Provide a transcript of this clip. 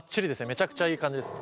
めちゃくちゃいい感じです。